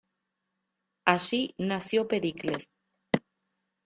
Allí nació Pericles.